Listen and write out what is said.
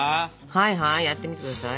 はいはいやってみてください。